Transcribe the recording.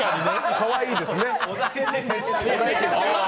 かわいいですね。